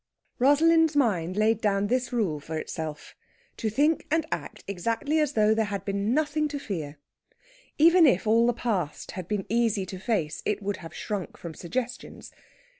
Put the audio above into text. Rosalind's mind laid down this rule for itself to think and act exactly as though there had been nothing to fear. Even if all the past had been easy to face it would have shrunk from suggestions.